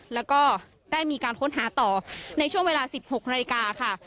แล้วก็ได้มีการค้นหาต่อในช่วงเวลา๑๖นาฬิกาค่ะ